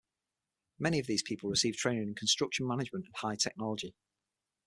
Many of these people received training in construction management and high technology.